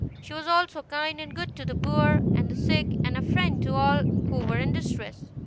She was also kind and good to the poor, and the sick, and a friend to all who were in distress.